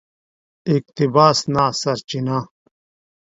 اقتباس نه سرچینه